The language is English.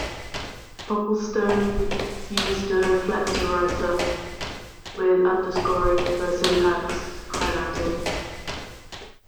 Popplestone used a Flexowriter with underscoring for syntax highlighting.